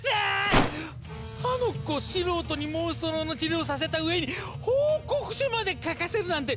あの子素人にモンストロの治療をさせた上に報告書まで書かせるなんて！